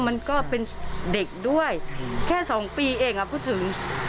มันก็เป็นเด็กด้วยแค่๒ปีเองพูดถึง